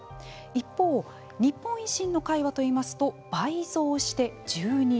一方、日本維新の会はといいますと、倍増して１２議席。